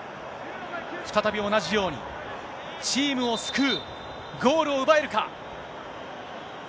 再び同じように、チームを救うゴールを奪えるか。